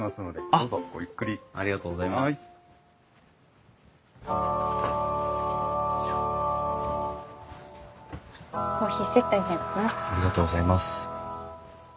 ありがとうございます。